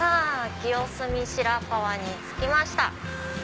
清澄白河に着きました。